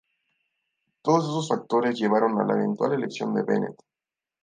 Todos esos factores llevaron a la eventual elección de Bennett.